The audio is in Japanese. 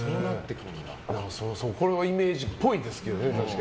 これはイメージっぽいですけど。